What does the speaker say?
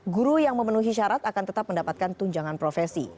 guru yang memenuhi syarat akan tetap mendapatkan tunjangan profesi